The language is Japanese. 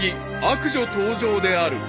悪女登場である］